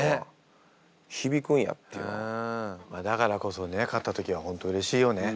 だからこそね勝った時は本当うれしいよね。